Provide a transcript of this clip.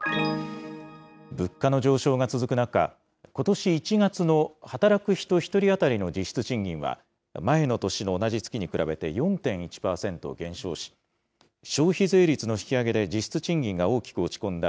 物価の上昇が続く中、ことし１月の働く人１人当たりの実質賃金は、前の年の同じ月に比べて４．１％減少し、消費税率の引き上げで実質賃金が大きく落ち込んだ